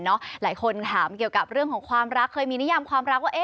หลายคนถามเกี่ยวกับเรื่องของความรักเคยมีนิยามความรักว่า